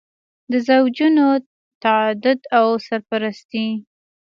د زوجونو تعدد او سرپرستي.